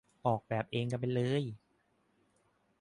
ออกแบบเองกันไปเลย